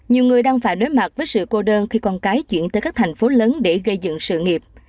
nhiều người đang phải đối mặt với sự cô đơn khi con cái chuyển tới các thành phố lớn để gây dựng sự nghiệp